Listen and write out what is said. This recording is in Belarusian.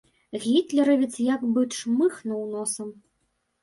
Гітлеравец як бы чмыхнуў носам.